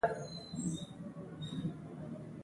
خلکو میاشتې مخکې کوټې نیولې وي